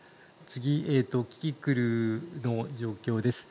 次はキキクルの状況です。